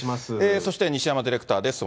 そして西山ディレクターです。